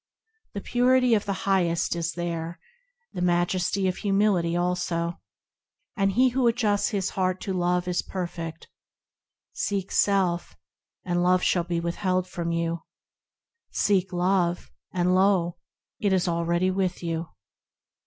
The Purity of the Highest is there, The majesty of humility also, And he who adjusts his heart to Love is perfect Seek self, and Love shall be withheld from you; Seek Love, and lo! it is already with you.